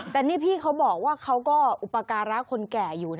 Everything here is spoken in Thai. แต่นี่พี่เขาบอกว่าเขาก็อุปการะคนแก่อยู่